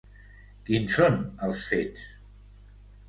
Quin són els fets?